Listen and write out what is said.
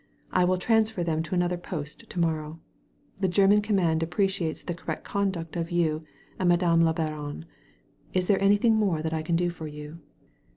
I will transfer them to another post to morrow. The German com mand appreciates the correct conduct of you and Madame la Baronne. Is there anything more that I can do for you?"